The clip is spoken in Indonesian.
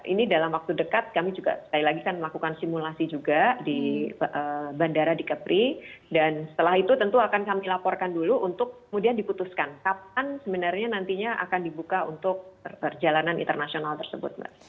ini dalam waktu dekat kami juga sekali lagi kan melakukan simulasi juga di bandara di kepri dan setelah itu tentu akan kami laporkan dulu untuk kemudian diputuskan kapan sebenarnya nantinya akan dibuka untuk perjalanan internasional tersebut mbak